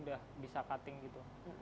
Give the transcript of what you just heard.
udah bisa cutting gitu